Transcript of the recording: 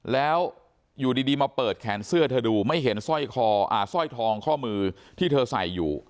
แล้วอยู่ดีมาเปิดแขนเสื้อเธอดูไม่เห็นสร้อยคอสร้อยทองข้อมือที่เธอใส่อยู่